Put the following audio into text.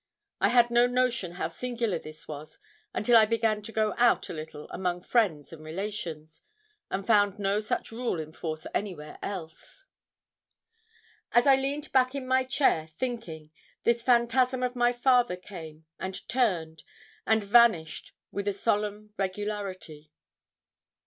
I had no notion how singular this was until I began to go out a little among friends and relations, and found no such rule in force anywhere else. As I leaned back in my chair thinking, this phantasm of my father came, and turned, and vanished with a solemn regularity.